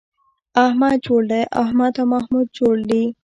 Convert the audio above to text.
احمد جوړ دی → احمد او محمود جوړ دي